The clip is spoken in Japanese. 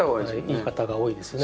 いい方が多いですね。